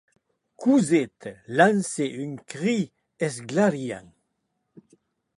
Cosette lancèc un crit espantoriant.